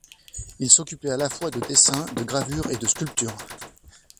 Il s'occupait à la fois de dessin, de gravure, et de sculpture.